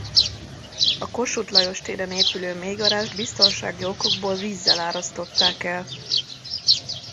A Kossuth Lajos téren épülő mélygarázst biztonsági okokból vízzel árasztották el.